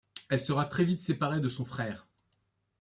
Elle sera très vite séparée de son frère.